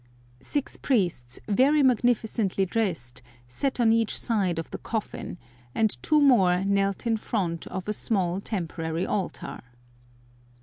Six priests, very magnificently dressed, sat on each side of the coffin, and two more knelt in front of a small temporary altar.